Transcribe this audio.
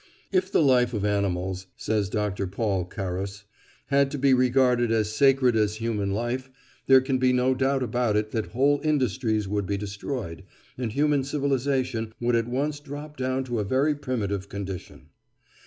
"If the life of animals," says Dr. Paul Carus, "had to be regarded as sacred as human life, there can be no doubt about it that whole industries would be destroyed, and human civilisation would at once drop down to a very primitive condition.